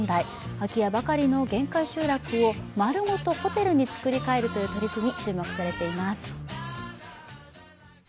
空き家ばかりの限界集落を丸ごとホテルに造り替えるという取り組み